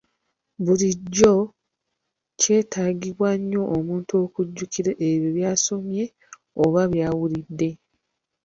Bulijjo kyetaagibwa nnyo omuntu okujjukira ebyo by'asomye oba by'awulidde.